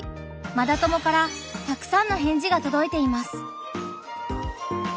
「マダ友」からたくさんの返事がとどいています。